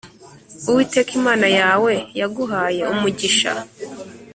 Uwiteka Imana yawe yaguhaye umugisha